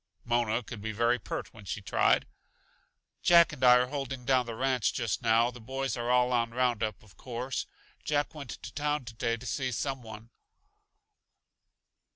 Mona could be very pert when she tried. "Jack and I are holding down the ranch just now; the boys are all on roundup, of course. Jack went to town today to see some one.